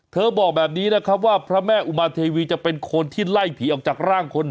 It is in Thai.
บอกแบบนี้นะครับว่าพระแม่อุมาเทวีจะเป็นคนที่ไล่ผีออกจากร่างคน